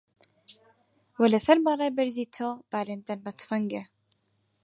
وە لە سەر باڵای بەرزی تۆ، با لێم دەن بە تفەنگێ